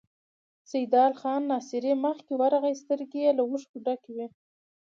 سيدال خان ناصري مخکې ورغی، سترګې يې له اوښکو ډکې وې.